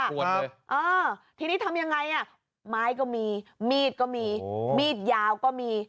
อ้าวทีนี้ทำยังไงไม้ก็มีมีดก็มีมีดยาวก็มี